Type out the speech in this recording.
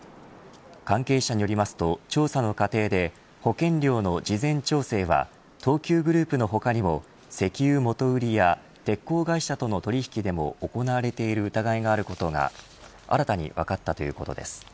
関係者によりますと調査の過程で保険料の事前調整は東急グループの他にも石油元売りや鉄鋼会社との取引でも行われている疑いがあることが新たに分かったということです。